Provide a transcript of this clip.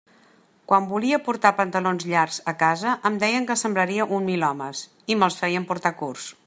Quan volia portar pantalons llargs a casa em deien que semblaria un milhomes, i me'ls feien portar curts.